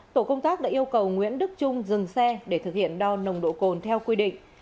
tổ công tác đã yêu cầu nguyễn đức trung dừng xe để thực hiện đo nồng độ cồn theo quy định